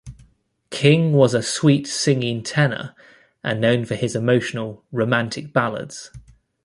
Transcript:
King was a "Sweet Singing Tenor" and known for his emotional, romantic ballads.